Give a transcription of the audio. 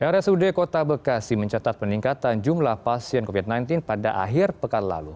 rsud kota bekasi mencatat peningkatan jumlah pasien covid sembilan belas pada akhir pekan lalu